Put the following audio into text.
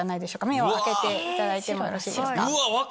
目を開けていただいてもよろしいですか。